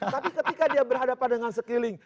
tapi ketika dia berhadapan dengan sekeliling